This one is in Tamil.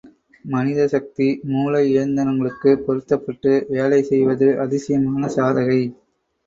மனித சக்தி, மூளை இயந்திரங்களுக்குப் பொருத்தப்பட்டு வேலை செய்வது அதிசயமான சாதகை.